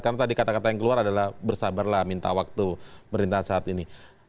karena tadi kata kata yang keluar adalah bersabarlah minta waktu pemerintahan saat ini